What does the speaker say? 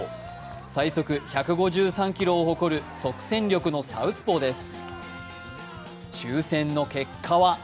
最速１５３キロを誇る即戦力のサウスポーです。